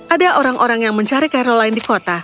ada orang orang yang mencari caroline di kota